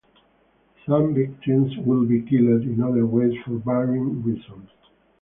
Some victims would be killed in other ways for varying reasons.